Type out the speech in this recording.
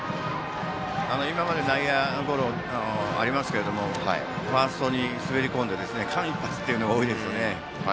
今まで内野ゴロありますけどファーストに滑り込んで間一髪というのが多いです。